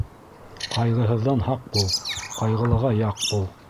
Ҡайғыһыҙҙан һаҡ бул, ҡайғылыға яҡ бул.